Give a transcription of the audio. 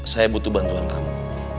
saya butuh bantuan kamu